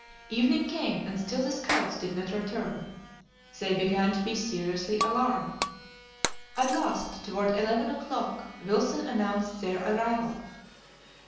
Evening came, and still the scouts did not return. They began to be seriously alarmed. At last, toward eleven o'clock, Wilson announced their arrival.